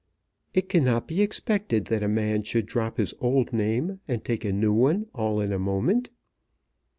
"It cannot be expected that a man should drop his old name and take a new one all in a moment."